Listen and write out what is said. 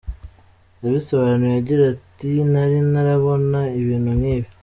Yabisobanuye agira ati "nari ntarabona ibintu nk’ibi.